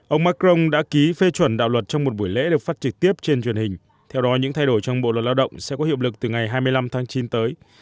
ông macron đã ký phê chuẩn đạo luật trong một buổi lễ được phát trực tiếp trên truyền hình theo đó những thay đổi trong bộ luật lao động sẽ có hiệu lực từ ngày hai mươi năm tháng chín tới